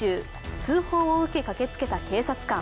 通報を受け駆けつけた警察官。